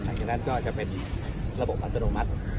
หลังจากนั้นก็จะเป็นระบบอัตโนมัติ